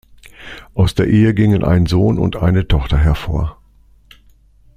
Aus der Ehe gingen ein Sohn und einer Tochter hervor.